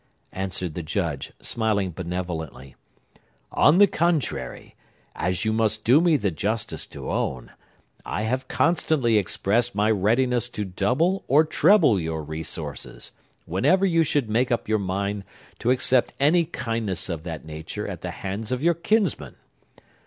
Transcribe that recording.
answered the Judge, smiling benevolently. "On the contrary, as you must do me the justice to own, I have constantly expressed my readiness to double or treble your resources, whenever you should make up your mind to accept any kindness of that nature at the hands of your kinsman.